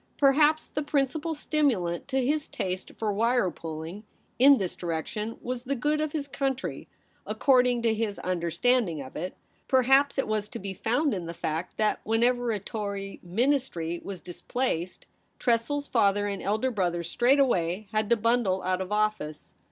Perhaps the principal stimulant to his taste for wire pulling in this direction was the good of his country, according to his understanding of it; perhaps it was to be found in the fact that whenever a Tory Ministry was displaced, Tressel's father and elder brother straightway had to bundle out of office.